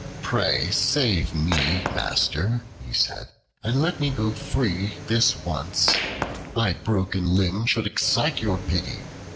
"Pray save me, Master," he said, "and let me go free this once. My broken limb should excite your pity.